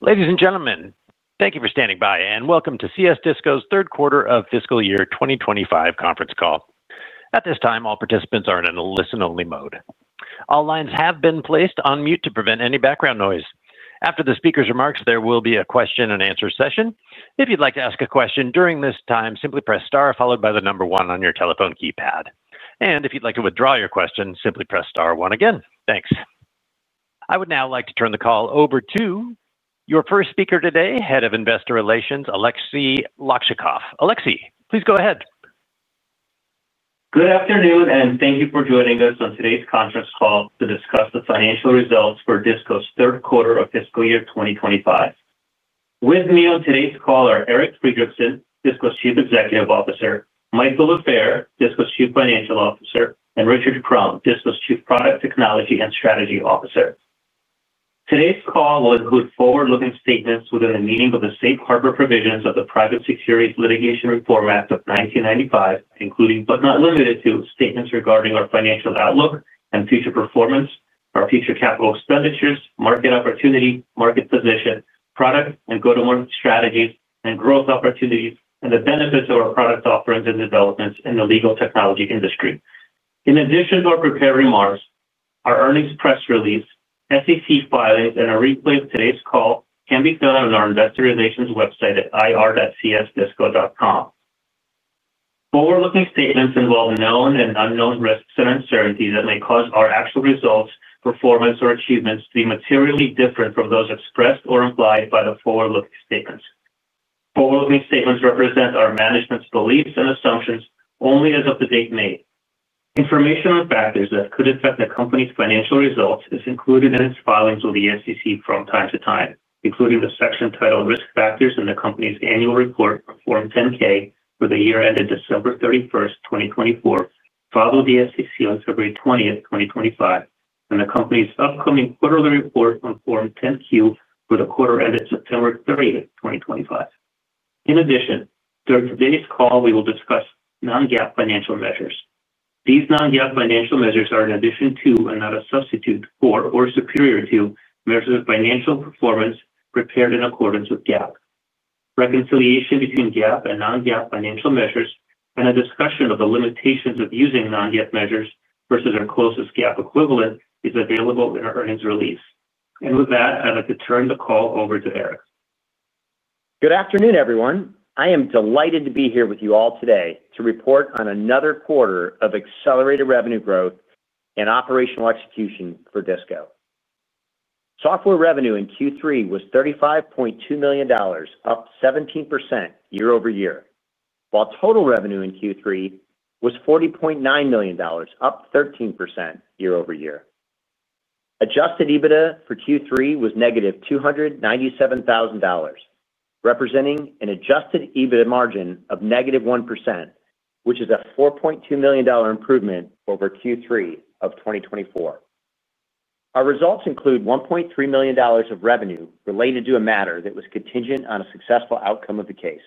Ladies and gentlemen, thank you for standing by, and welcome to CS DICSO's Third Quarter of Fiscal Year 2025 Conference Call. At this time, all participants are in a listen-only mode. All lines have been placed on mute to prevent any background noise. After the speaker's remarks, there will be a question-and-answer session. If you'd like to ask a question during this time, simply press star followed by the number one on your telephone keypad. If you'd like to withdraw your question, simply press star one again. Thanks. I would now like to turn the call over to your first speaker today, Head of Investor Relations, Aleksey Lakchakov. Aleksey, please go ahead. Good afternoon, and thank you for joining us on today's conference call to discuss the financial results for DICSO's third quarter of fiscal year 2025. With me on today's call are Eric Friedrichsen, DICSO's Chief Executive Officer; Michael Lafair, DICSO's Chief Financial Officer; and Richard Crown, DICSO's Chief Product Technology and Strategy Officer. Today's call will include forward-looking statements within the meaning of the safe harbor provisions of the Private Securities Litigation Reform Act of 1995, including, but not limited to, statements regarding our financial outlook and future performance, our future capital expenditures, market opportunity, market position, product and go-to-market strategies, and growth opportunities, and the benefits of our product offerings and developments in the legal technology industry. In addition to our prepared remarks, our earnings press release, SEC filings, and a replay of today's call can be found on our Investor Relations website at ir.csdisco.com. Forward-looking statements involve known and unknown risks and uncertainties that may cause our actual results, performance, or achievements to be materially different from those expressed or implied by the forward-looking statements. Forward-looking statements represent our management's beliefs and assumptions only as of the date made. Information on factors that could affect the company's financial results is included in its filings with the SEC from time to time, including the section titled Risk Factors in the company's annual report, Form 10-K, for the year ended December 31, 2024, filed with the SEC on February 20, 2025, and the company's upcoming quarterly report on Form 10-Q for the quarter ended September 30, 2025. In addition, during today's call, we will discuss non-GAAP financial measures. These non-GAAP financial measures are an addition to and not a substitute for or superior to measures of financial performance prepared in accordance with GAAP. Reconciliation between GAAP and non-GAAP financial measures and a discussion of the limitations of using non-GAAP measures versus our closest GAAP equivalent is available in our earnings release. With that, I'd like to turn the call over to Eric. Good afternoon, everyone. I am delighted to be here with you all today to report on another quarter of accelerated revenue growth and operational execution for CS DICSO. Software revenue in Q3 was $35.2 million, up 17% year-over-year, while total revenue in Q3 was $40.9 million, up 13% year-over-year. Adjusted EBITDA for Q3 was negative $297,000, representing an adjusted EBITDA margin of negative 1%, which is a $4.2 million improvement over Q3 of 2024. Our results include $1.3 million of revenue related to a matter that was contingent on a successful outcome of the case.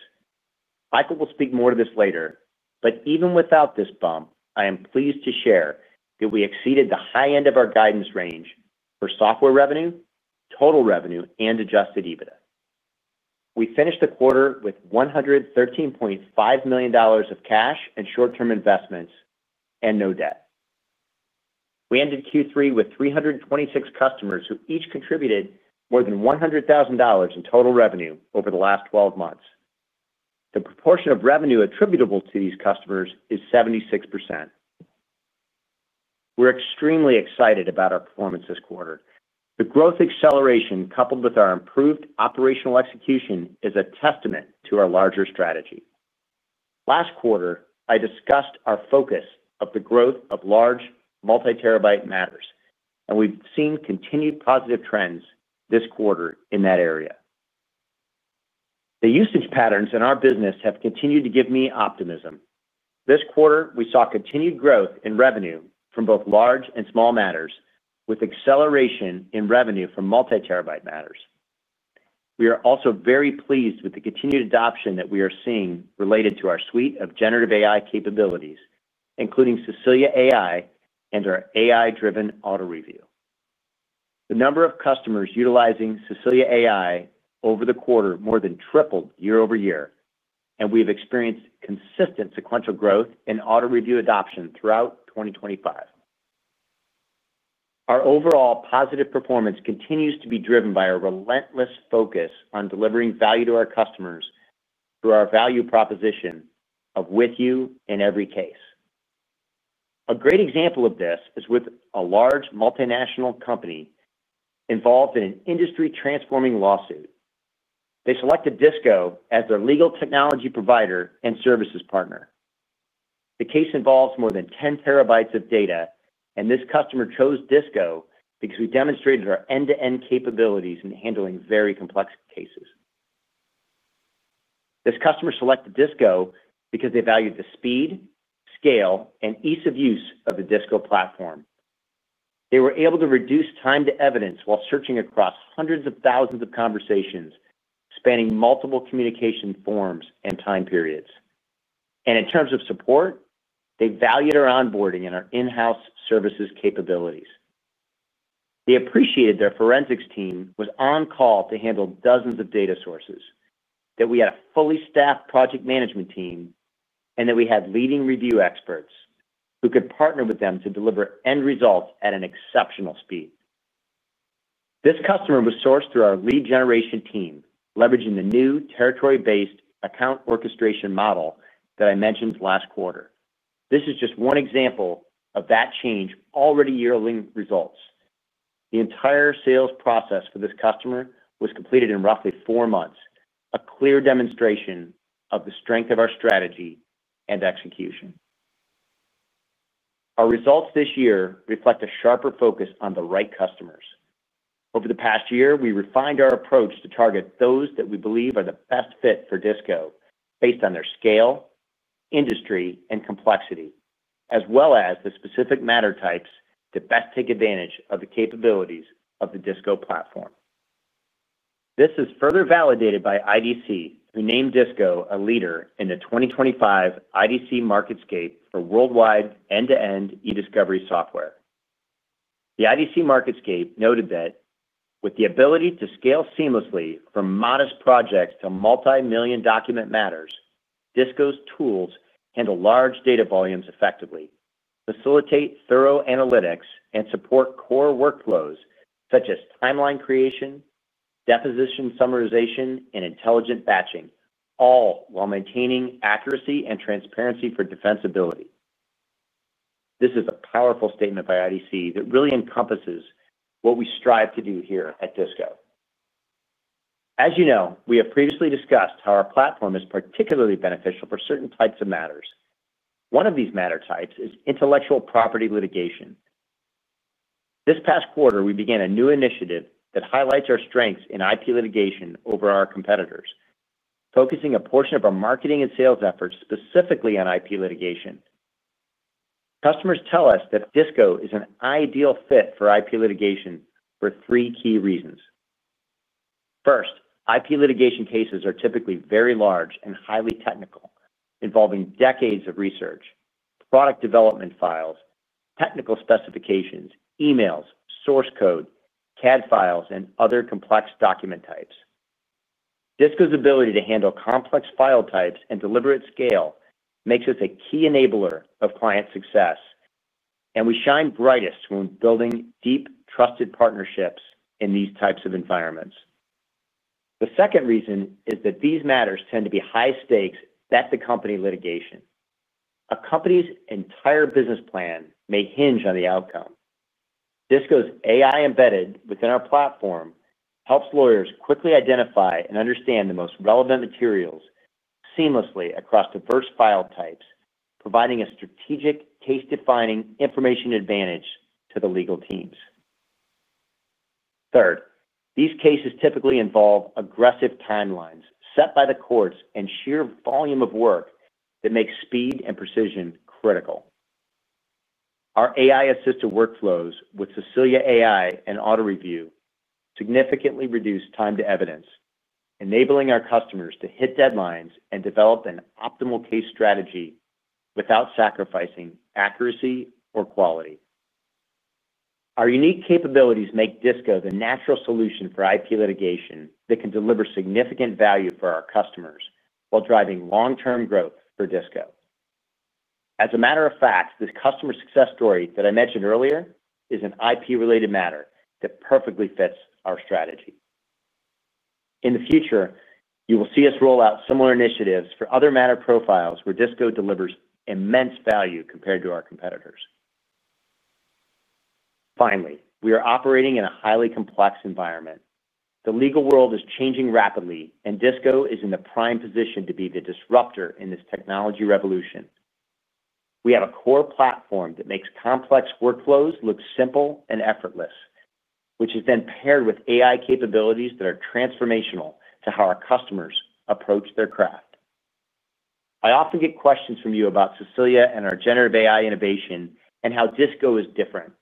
Michael will speak more to this later, but even without this bump, I am pleased to share that we exceeded the high end of our guidance range for software revenue, total revenue, and adjusted EBITDA. We finished the quarter with $113.5 million of cash and short-term investments and no debt. We ended Q3 with 326 customers who each contributed more than $100,000 in total revenue over the last 12 months. The proportion of revenue attributable to these customers is 76%. We're extremely excited about our performance this quarter. The growth acceleration coupled with our improved operational execution is a testament to our larger strategy. Last quarter, I discussed our focus of the growth of large multi-terabyte matters, and we've seen continued positive trends this quarter in that area. The usage patterns in our business have continued to give me optimism. This quarter, we saw continued growth in revenue from both large and small matters, with acceleration in revenue from multi-terabyte matters. We are also very pleased with the continued adoption that we are seeing related to our suite of generative AI capabilities, including Cecilia AI and our AI-driven auto-review. The number of customers utilizing Cecilia AI over the quarter more than tripled year-over-year, and we have experienced consistent sequential growth in auto-review adoption throughout 2025. Our overall positive performance continues to be driven by our relentless focus on delivering value to our customers through our value proposition of "with you in every case." A great example of this is with a large multinational company involved in an industry-transforming lawsuit. They selected DICSO as their legal technology provider and services partner. The case involves more than 10 terabytes of data, and this customer chose DICSO because we demonstrated our end-to-end capabilities in handling very complex cases. This customer selected DICSO because they valued the speed, scale, and ease of use of the DICSO platform. They were able to reduce time to evidence while searching across hundreds of thousands of conversations spanning multiple communication forms and time periods. In terms of support, they valued our onboarding and our in-house services capabilities. They appreciated their forensics team was on call to handle dozens of data sources, that we had a fully staffed project management team, and that we had leading review experts who could partner with them to deliver end results at an exceptional speed. This customer was sourced through our lead generation team, leveraging the new territory-based account orchestration model that I mentioned last quarter. This is just one example of that change already yielding results. The entire sales process for this customer was completed in roughly four months, a clear demonstration of the strength of our strategy and execution. Our results this year reflect a sharper focus on the right customers. Over the past year, we refined our approach to target those that we believe are the best fit for DICSO based on their scale, industry, and complexity, as well as the specific matter types that best take advantage of the capabilities of the DICSO platform. This is further validated by IDC, who named DICSO a leader in the 2025 IDC Market Scape for worldwide end-to-end e-discovery software. The IDC Market Scape noted that, "With the ability to scale seamlessly from modest projects to multi-million document matters, DICSO's tools handle large data volumes effectively, facilitate thorough analytics, and support core workflows such as timeline creation, deposition summarization, and intelligent batching, all while maintaining accuracy and transparency for defensibility." This is a powerful statement by IDC that really encompasses what we strive to do here at DICSO. As you know, we have previously discussed how our platform is particularly beneficial for certain types of matters. One of these matter types is intellectual property litigation. This past quarter, we began a new initiative that highlights our strengths in IP litigation over our competitors, focusing a portion of our marketing and sales efforts specifically on IP litigation. Customers tell us that DICSO is an ideal fit for IP litigation for three key reasons. First, IP litigation cases are typically very large and highly technical, involving decades of research, product development files, technical specifications, emails, source code, CAD files, and other complex document types. DICSO's ability to handle complex file types and deliberate scale makes us a key enabler of client success. We shine brightest when building deep, trusted partnerships in these types of environments. The second reason is that these matters tend to be high-stakes bet-the-company litigation. A company's entire business plan may hinge on the outcome. DICSO's AI embedded within our platform helps lawyers quickly identify and understand the most relevant materials seamlessly across diverse file types, providing a strategic case-defining information advantage to the legal teams. Third, these cases typically involve aggressive timelines set by the courts and sheer volume of work that make speed and precision critical. Our AI-assisted workflows with Cecilia AI and auto-review significantly reduce time to evidence, enabling our customers to hit deadlines and develop an optimal case strategy without sacrificing accuracy or quality. Our unique capabilities make DICSO the natural solution for IP litigation that can deliver significant value for our customers while driving long-term growth for DICSO. As a matter of fact, this customer success story that I mentioned earlier is an IP-related matter that perfectly fits our strategy. In the future, you will see us roll out similar initiatives for other matter profiles where DICSO delivers immense value compared to our competitors. Finally, we are operating in a highly complex environment. The legal world is changing rapidly, and DICSO is in the prime position to be the disruptor in this technology revolution. We have a core platform that makes complex workflows look simple and effortless, which is then paired with AI capabilities that are transformational to how our customers approach their craft. I often get questions from you about Cecilia and our generative AI innovation and how DICSO is different.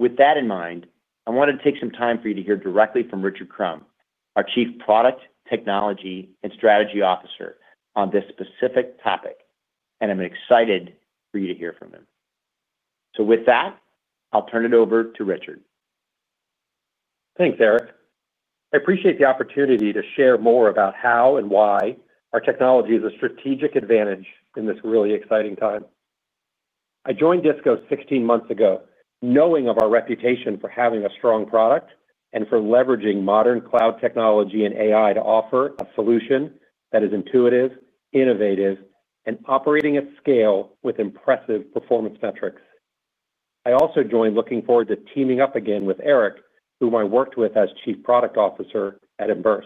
With that in mind, I wanted to take some time for you to hear directly from Richard Crown, our Chief Product Technology and Strategy Officer, on this specific topic, and I'm excited for you to hear from him. With that, I'll turn it over to Richard. Thanks, Eric. I appreciate the opportunity to share more about how and why our technology is a strategic advantage in this really exciting time. I joined CS DICSO 16 months ago, knowing of our reputation for having a strong product and for leveraging modern cloud technology and AI to offer a solution that is intuitive, innovative, and operating at scale with impressive performance metrics. I also joined looking forward to teaming up again with Eric, whom I worked with as Chief Product Officer at Emberse.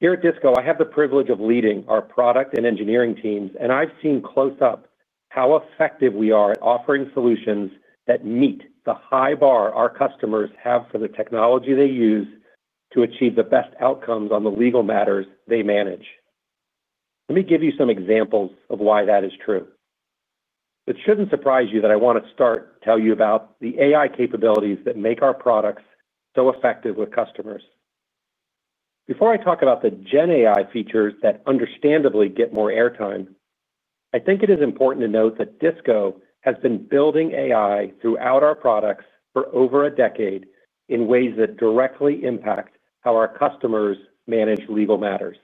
Here at CS DICSO, I have the privilege of leading our product and engineering teams, and I've seen close-up how effective we are at offering solutions that meet the high bar our customers have for the technology they use to achieve the best outcomes on the legal matters they manage. Let me give you some examples of why that is true. It shouldn't surprise you that I want to start to tell you about the AI capabilities that make our products so effective with customers. Before I talk about the GenAI features that understandably get more airtime, I think it is important to note that DICSO has been building AI throughout our products for over a decade in ways that directly impact how our customers manage legal matters.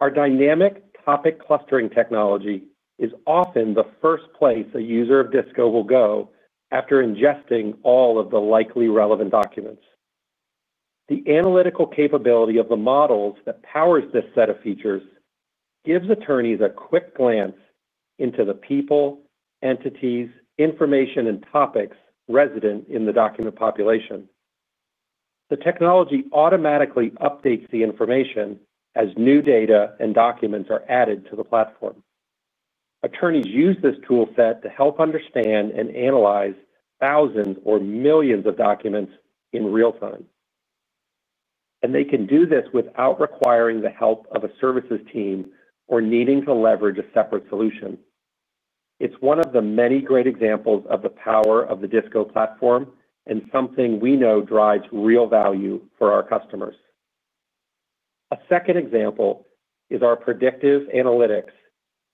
Our dynamic topic clustering technology is often the first place a user of DICSO will go after ingesting all of the likely relevant documents. The analytical capability of the models that powers this set of features gives attorneys a quick glance into the people, entities, information, and topics resident in the document population. The technology automatically updates the information as new data and documents are added to the platform. Attorneys use this toolset to help understand and analyze thousands or millions of documents in real time. They can do this without requiring the help of a services team or needing to leverage a separate solution. It is one of the many great examples of the power of the DICSO platform and something we know drives real value for our customers. A second example is our predictive analytics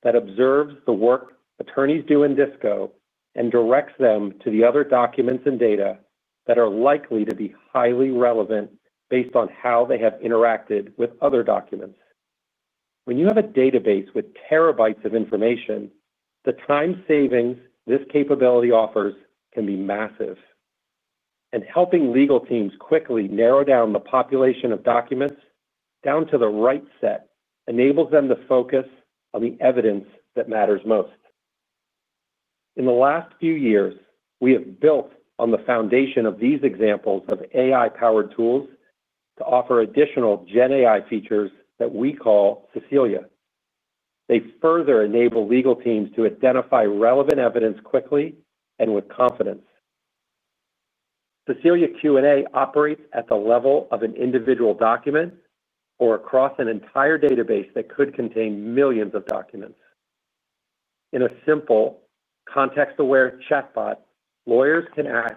that observes the work attorneys do in DICSO and directs them to the other documents and data that are likely to be highly relevant based on how they have interacted with other documents. When you have a database with terabytes of information, the time savings this capability offers can be massive. Helping legal teams quickly narrow down the population of documents to the right set enables them to focus on the evidence that matters most. In the last few years, we have built on the foundation of these examples of AI-powered tools to offer additional GenAI features that we call Cecilia. They further enable legal teams to identify relevant evidence quickly and with confidence. Cecilia Q&A operates at the level of an individual document or across an entire database that could contain millions of documents. In a simple, context-aware chatbot, lawyers can ask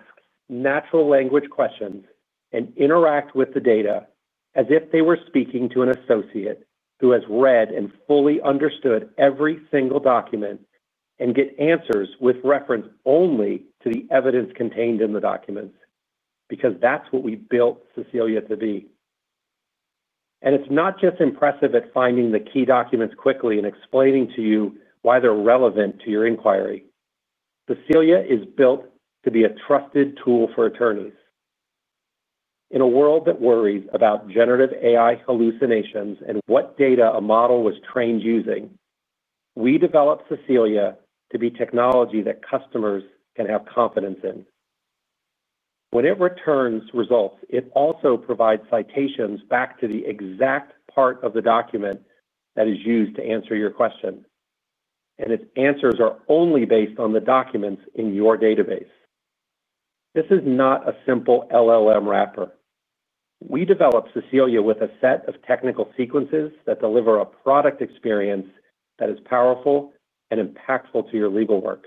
natural language questions and interact with the data as if they were speaking to an associate who has read and fully understood every single document. They get answers with reference only to the evidence contained in the documents because that is what we built Cecilia to be. It is not just impressive at finding the key documents quickly and explaining to you why they are relevant to your inquiry. Cecilia is built to be a trusted tool for attorneys. In a world that worries about generative AI hallucinations and what data a model was trained using, we developed Cecilia to be technology that customers can have confidence in. When it returns results, it also provides citations back to the exact part of the document that is used to answer your question. Its answers are only based on the documents in your database. This is not a simple LLM wrapper. We developed Cecilia with a set of technical sequences that deliver a product experience that is powerful and impactful to your legal work.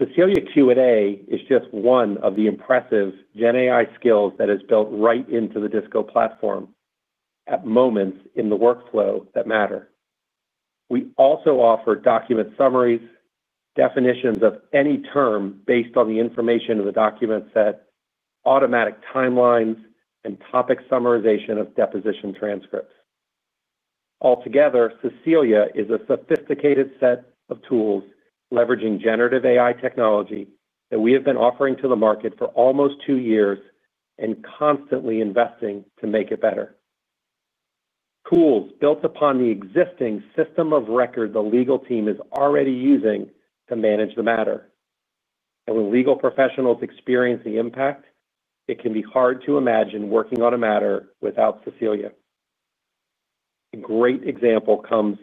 Cecilia Q&A is just one of the impressive GenAI skills that is built right into the DICSO platform at moments in the workflow that matter. We also offer document summaries, definitions of any term based on the information of the document set, automatic timelines, and topic summarization of deposition transcripts. Altogether, Cecilia is a sophisticated set of tools leveraging generative AI technology that we have been offering to the market for almost two years and constantly investing to make it better. Tools built upon the existing system of record the legal team is already using to manage the matter. When legal professionals experience the impact, it can be hard to imagine working on a matter without Cecilia. A great example comes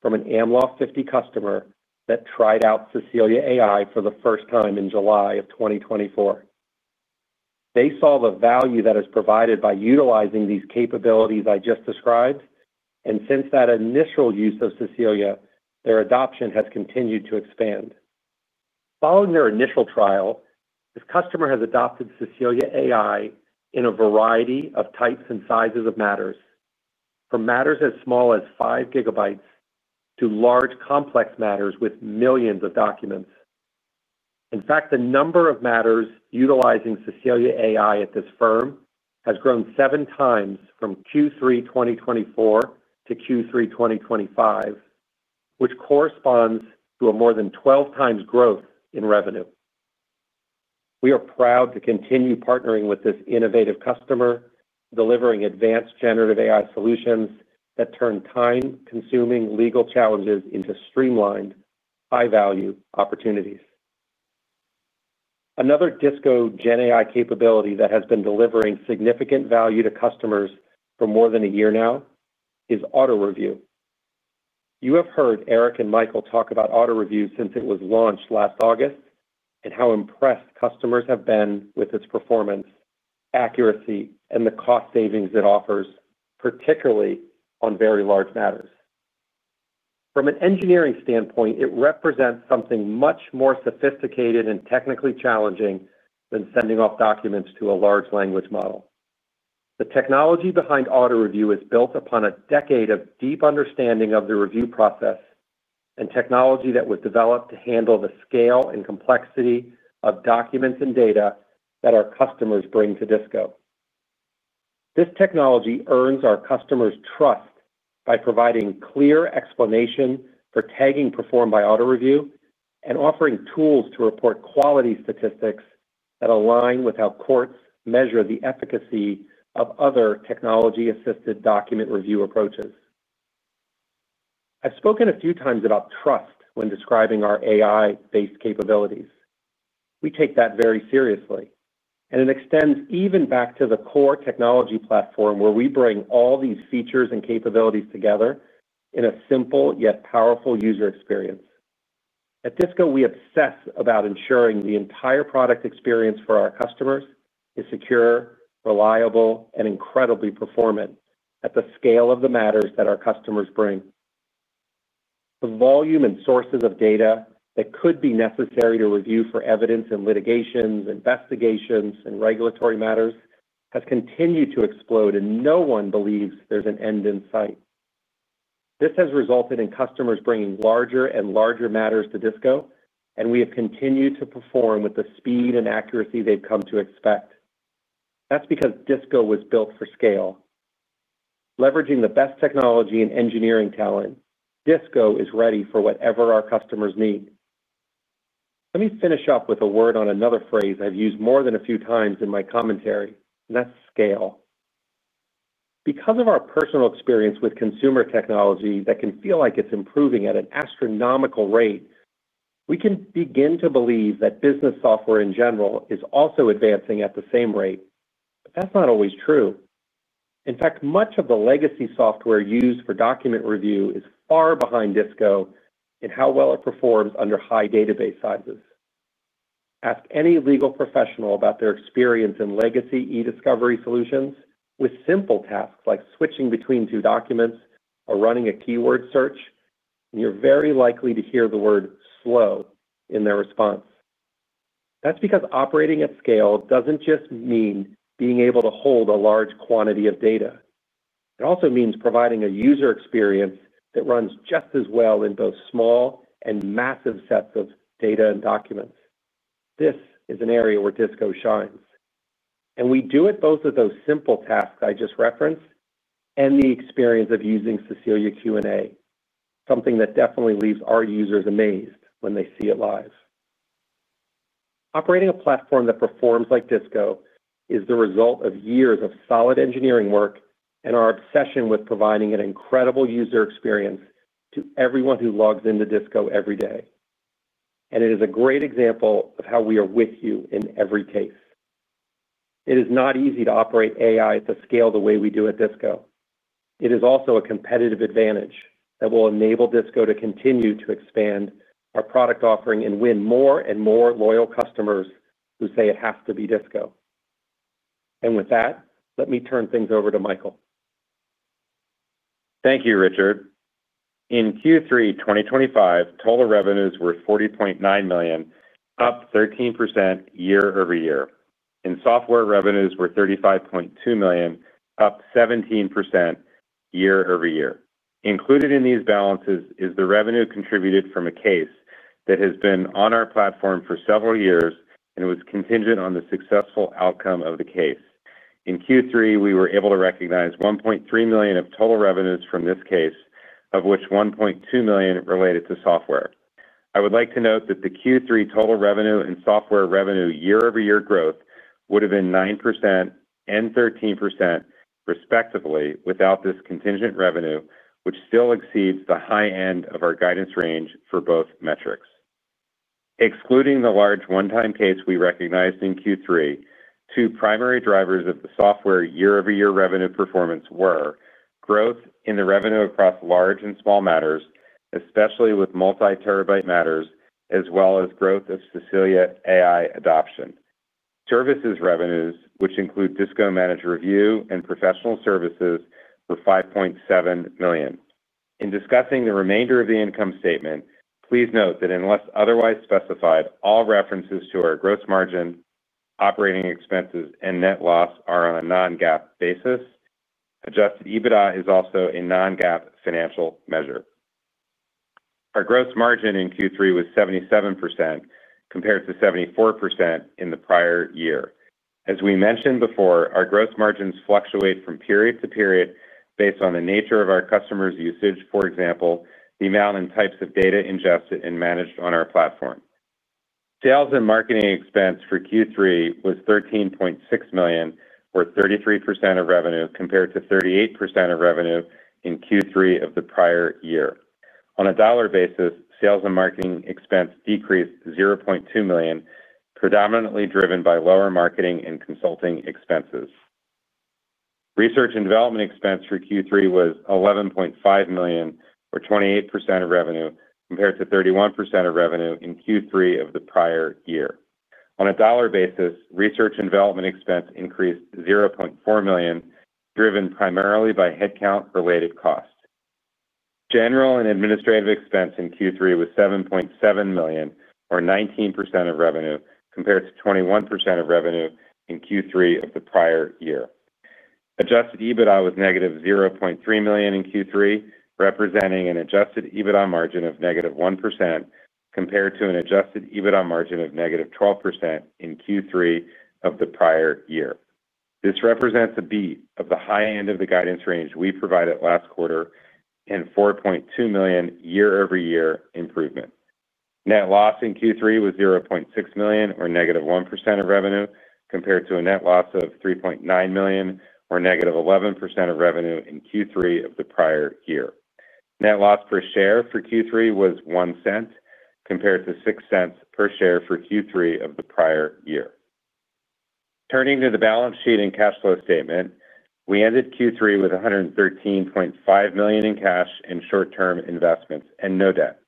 from an AmLaw 50 customer that tried out Cecilia AI for the first time in July of 2024. They saw the value that is provided by utilizing these capabilities I just described, and since that initial use of Cecilia, their adoption has continued to expand. Following their initial trial, this customer has adopted Cecilia AI in a variety of types and sizes of matters, from matters as small as 5 gigabytes to large complex matters with millions of documents. In fact, the number of matters utilizing Cecilia AI at this firm has grown seven times from Q3 2024-Q3 2025, which corresponds to a more than 12 times growth in revenue. We are proud to continue partnering with this innovative customer, delivering advanced generative AI solutions that turn time-consuming legal challenges into streamlined, high-value opportunities. Another DICSO GenAI capability that has been delivering significant value to customers for more than a year now is auto-review. You have heard Eric and Michael talk about auto-review since it was launched last August and how impressed customers have been with its performance, accuracy, and the cost savings it offers, particularly on very large matters. From an engineering standpoint, it represents something much more sophisticated and technically challenging than sending off documents to a large language model. The technology behind auto-review is built upon a decade of deep understanding of the review process. The technology that was developed to handle the scale and complexity of documents and data that our customers bring to DICSO. This technology earns our customers' trust by providing clear explanation for tagging performed by auto-review and offering tools to report quality statistics that align with how courts measure the efficacy of other technology-assisted document review approaches. I've spoken a few times about trust when describing our AI-based capabilities. We take that very seriously, and it extends even back to the core technology platform where we bring all these features and capabilities together in a simple yet powerful user experience. At DICSO, we obsess about ensuring the entire product experience for our customers is secure, reliable, and incredibly performant at the scale of the matters that our customers bring. The volume and sources of data that could be necessary to review for evidence and litigations, investigations, and regulatory matters has continued to explode, and no one believes there is an end in sight. This has resulted in customers bringing larger and larger matters to DICSO, and we have continued to perform with the speed and accuracy they have come to expect. That is because DICSO was built for scale. Leveraging the best technology and engineering talent, DICSO is ready for whatever our customers need. Let me finish up with a word on another phrase I have used more than a few times in my commentary, and that is scale. Because of our personal experience with consumer technology that can feel like it's improving at an astronomical rate, we can begin to believe that business software in general is also advancing at the same rate. That is not always true. In fact, much of the legacy software used for document review is far behind DICSO in how well it performs under high database sizes. Ask any legal professional about their experience in legacy e-discovery solutions with simple tasks like switching between two documents or running a keyword search, and you're very likely to hear the word slow in their response. That is because operating at scale does not just mean being able to hold a large quantity of data. It also means providing a user experience that runs just as well in both small and massive sets of data and documents. This is an area where DICSO shines. We do it both with those simple tasks I just referenced and the experience of using Cecilia Q&A, something that definitely leaves our users amazed when they see it live. Operating a platform that performs like DICSO is the result of years of solid engineering work and our obsession with providing an incredible user experience to everyone who logs into DICSO every day. It is a great example of how we are with you in every case. It is not easy to operate AI at the scale the way we do at DICSO. It is also a competitive advantage that will enable DICSO to continue to expand our product offering and win more and more loyal customers who say it has to be DICSO. With that, let me turn things over to Michael. Thank you, Richard. In Q3 2025, total revenues were $40.9 million, up 13% year over year. Software revenues were $35.2 million, up 17% year over year. Included in these balances is the revenue contributed from a case that has been on our platform for several years and was contingent on the successful outcome of the case. In Q3, we were able to recognize $1.3 million of total revenues from this case, of which $1.2 million related to software. I would like to note that the Q3 total revenue and software revenue year-over-year growth would have been 9% and 13% respectively without this contingent revenue, which still exceeds the high end of our guidance range for both metrics. Excluding the large one-time case we recognized in Q3, two primary drivers of the software year-over-year revenue performance were growth in the revenue across large and small matters, especially with multi-terabyte matters, as well as growth of Cecilia AI adoption. Services revenues, which include DICSO Managed Review and Professional Services, were $5.7 million. In discussing the remainder of the income statement, please note that unless otherwise specified, all references to our gross margin, operating expenses, and net loss are on a non-GAAP basis. Adjusted EBITDA is also a non-GAAP financial measure. Our gross margin in Q3 was 77% compared to 74% in the prior year. As we mentioned before, our gross margins fluctuate from period to period based on the nature of our customers' usage, for example, the amount and types of data ingested and managed on our platform. Sales and marketing expense for Q3 was $13.6 million, or 33% of revenue, compared to 38% of revenue in Q3 of the prior year. On a dollar basis, sales and marketing expense decreased $0.2 million, predominantly driven by lower marketing and consulting expenses. Research and development expense for Q3 was $11.5 million, or 28% of revenue, compared to 31% of revenue in Q3 of the prior year. On a dollar basis, research and development expense increased $0.4 million, driven primarily by headcount-related cost. General and administrative expense in Q3 was $7.7 million, or 19% of revenue, compared to 21% of revenue in Q3 of the prior year. Adjusted EBITDA was negative $0.3 million in Q3, representing an adjusted EBITDA margin of negative 1% compared to an adjusted EBITDA margin of negative 12% in Q3 of the prior year. This represents a beat of the high end of the guidance range we provided last quarter and $4.2 million year-over-year improvement. Net loss in Q3 was $0.6 million, or negative 1% of revenue, compared to a net loss of $3.9 million, or negative 11% of revenue in Q3 of the prior year. Net loss per share for Q3 was $0.01 compared to $0.06 per share for Q3 of the prior year. Turning to the balance sheet and cash flow statement, we ended Q3 with $113.5 million in cash and short-term investments and no debt.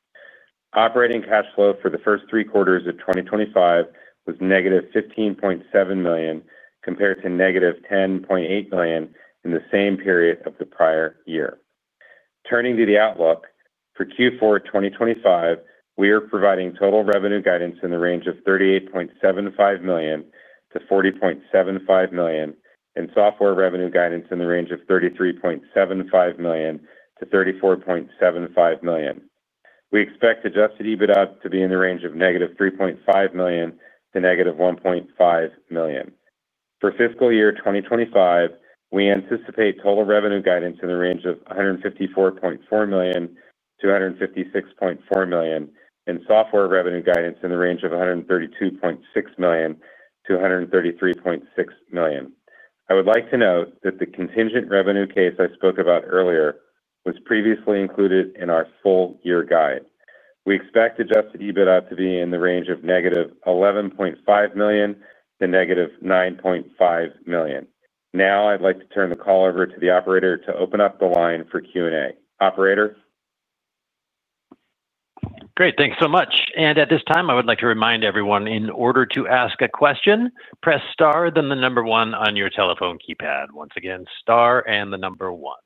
Operating cash flow for the first three quarters of 2025 was negative $15.7 million compared to negative $10.8 million in the same period of the prior year. Turning to the outlook, for Q4 2025, we are providing total revenue guidance in the range of $38.75 million-$40.75 million and software revenue guidance in the range of $33.75 million-$34.75 million. We expect adjusted EBITDA to be in the range of negative $3.5 million to -$1.5 million. For fiscal year 2025, we anticipate total revenue guidance in the range of $154.4 million-$156.4 million and software revenue guidance in the range of $132.6 million-$133.6 million. I would like to note that the contingent revenue case I spoke about earlier was previously included in our full year guide. We expect adjusted EBITDA to be in the range of negative $11.5 million-negative $9.5 million. Now, I'd like to turn the call over to the operator to open up the line for Q&A. Operator. Great. Thanks so much. At this time, I would like to remind everyone, in order to ask a question, press star, then the number one on your telephone keypad. Once again, star and the number one.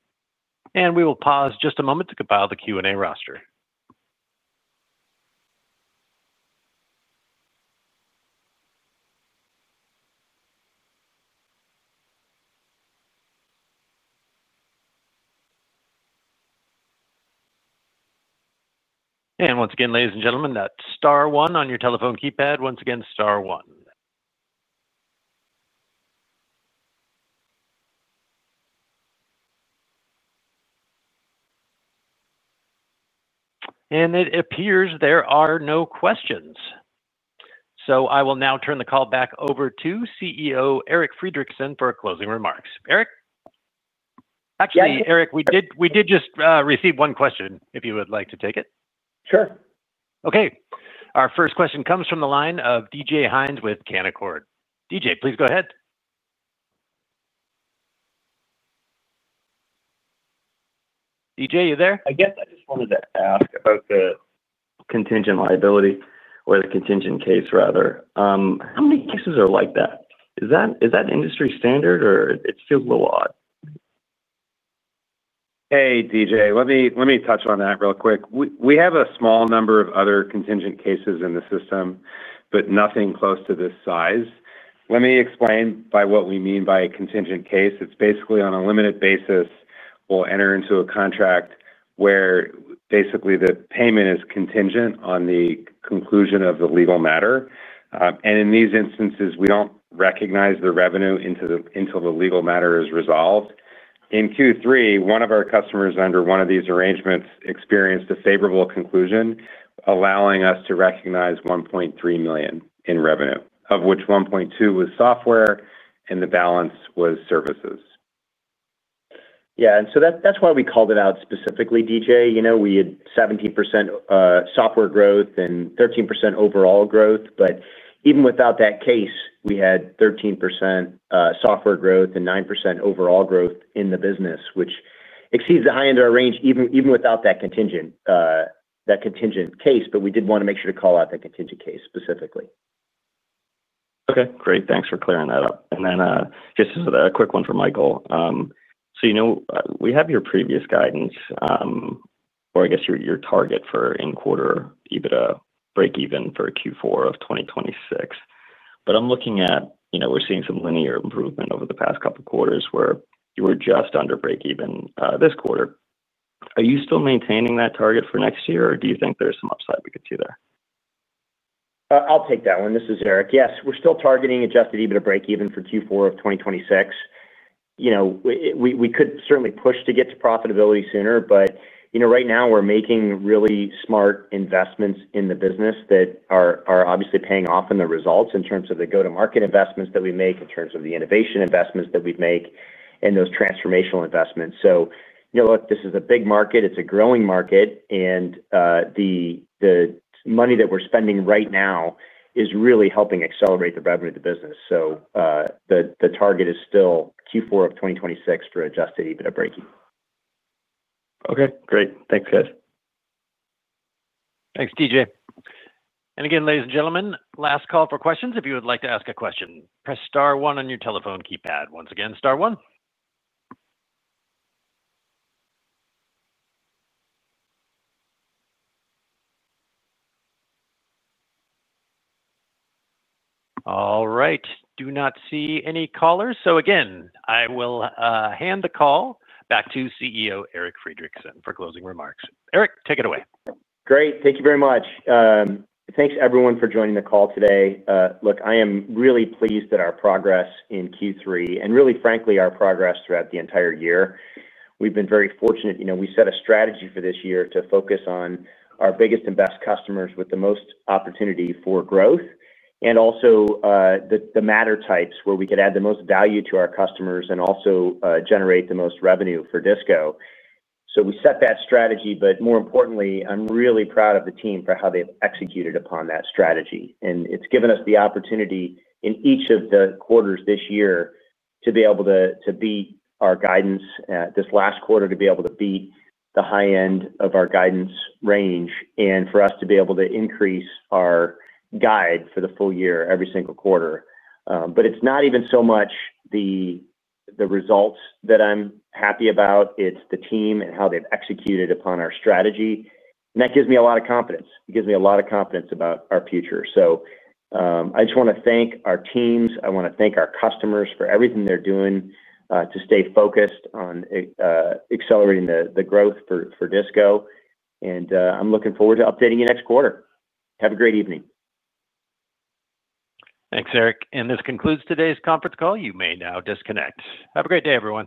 We will pause just a moment to compile the Q&A roster. Once again, ladies and gentlemen, that is star one on your telephone keypad. Once again, star one. It appears there are no questions. I will now turn the call back over to CEO Eric Friedrichsen for closing remarks. Eric? Yes. Actually, Eric, we did just receive one question, if you would like to take it. Sure. Okay. Our first question comes from the line of DJ Hynes with Canaccord. DJ, please go ahead. DJ, you there? I guess I just wanted to ask about the contingent liability or the contingent case, rather. How many cases are like that? Is that an industry standard, or it feels a little odd? Hey, DJ. Let me touch on that real quick. We have a small number of other contingent cases in the system, but nothing close to this size. Let me explain by what we mean by a contingent case. It's basically, on a limited basis, we'll enter into a contract where basically the payment is contingent on the conclusion of the legal matter. In these instances, we do not recognize the revenue until the legal matter is resolved. In Q3, one of our customers under one of these arrangements experienced a favorable conclusion, allowing us to recognize $1.3 million in revenue, of which $1.2 million was software and the balance was services. Yeah. That is why we called it out specifically, DJ. We had 17% software growth and 13% overall growth. Even without that case, we had 13% software growth and 9% overall growth in the business, which exceeds the high end of our range even without that contingent case. We did want to make sure to call out that contingent case specifically. Okay. Great. Thanks for clearing that up. And then just a quick one for Michael. So we have your previous guidance, or I guess your target for in-quarter EBITDA break-even for Q4 of 2026. But I'm looking at we're seeing some linear improvement over the past couple of quarters where you were just under break-even this quarter. Are you still maintaining that target for next year, or do you think there's some upside we could see there? I'll take that one. This is Eric. Yes, we're still targeting adjusted EBITDA break-even for Q4 of 2026. We could certainly push to get to profitability sooner, but right now, we're making really smart investments in the business that are obviously paying off in the results in terms of the go-to-market investments that we make, in terms of the innovation investments that we make, and those transformational investments. Look, this is a big market. It's a growing market. The money that we're spending right now is really helping accelerate the revenue of the business. The target is still Q4 of 2026 for adjusted EBITDA break-even. Okay. Great. Thanks, guys. Thanks, DJ. Again, ladies and gentlemen, last call for questions. If you would like to ask a question, press star one on your telephone keypad. Once again, star one. All right. Do not see any callers. Again, I will hand the call back to CEO Eric Friedrichsen for closing remarks. Eric, take it away. Great. Thank you very much. Thanks, everyone, for joining the call today. Look, I am really pleased at our progress in Q3 and really, frankly, our progress throughout the entire year. We've been very fortunate. We set a strategy for this year to focus on our biggest and best customers with the most opportunity for growth and also the matter types where we could add the most value to our customers and also generate the most revenue for CS DICSO. We set that strategy. More importantly, I'm really proud of the team for how they've executed upon that strategy. It's given us the opportunity in each of the quarters this year to be able to beat our guidance, this last quarter, to be able to beat the high end of our guidance range, and for us to be able to increase our guide for the full year every single quarter. It's not even so much the results that I'm happy about. It's the team and how they've executed upon our strategy. That gives me a lot of confidence. It gives me a lot of confidence about our future. I just want to thank our teams. I want to thank our customers for everything they're doing to stay focused on accelerating the growth for DICSO. I'm looking forward to updating you next quarter. Have a great evening. Thanks, Eric. This concludes today's conference call. You may now disconnect. Have a great day, everyone.